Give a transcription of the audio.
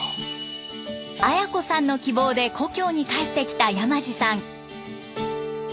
綾子さんの希望で故郷に帰ってきた山地さん。